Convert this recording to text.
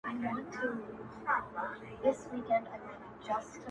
زما پر تور قسمت باندي باغوان راسره وژړل-